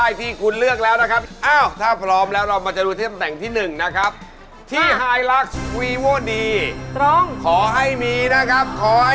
งั้นเอาไว้ตำแหน่งแรกกันนะครับ